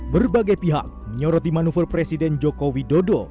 berbagai pihak menyoroti manuver presiden joko widodo